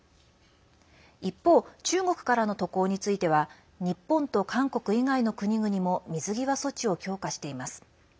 一方、中国からの渡航については日本と韓国以外の国々も水際措置を強化しています。